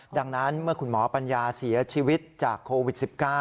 ดังนั้นเมื่อคุณหมอปัญญาเสียชีวิตจากโควิด๑๙